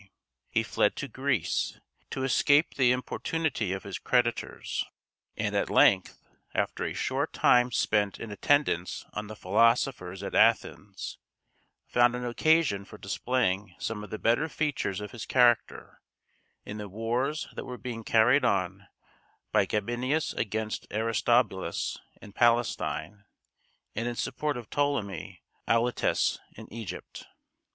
he fled to Greece, to escape the importunity of his creditors; and at length, after a short time spent in attendance on the philosophers at Athens, found an occasion for displaying some of the better features of his character, in the wars that were being carried on by Gabinius against Aristobulus in Palestine, and in support of Ptolemy Auletes in Egypt.